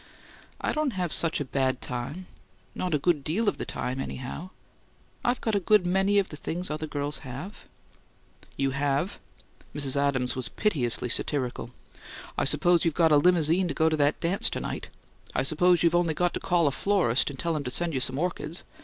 "I don't have such a bad time not a good DEAL of the time, anyhow. I've got a good MANY of the things other girls have " "You have?" Mrs. Adams was piteously satirical. "I suppose you've got a limousine to go to that dance to night? I suppose you've only got to call a florist and tell him to send you some orchids?